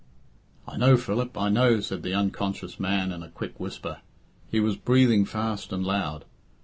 "I know, Philip, I know," said the unconscious man in a quick whisper; he was breathing fast and loud.